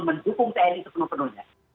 mendukung tni sepenuh penuhnya